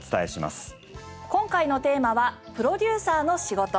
今回のテーマはプロデューサーの仕事。